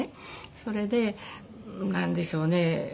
それでなんでしょうね。